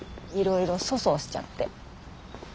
いろいろ粗相しちゃって。